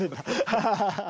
ハハハハハ。